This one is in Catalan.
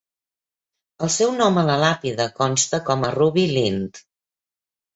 El seu nom a la làpida consta com a "Ruby Lind".